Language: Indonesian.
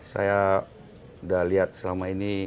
saya udah lihat selama ini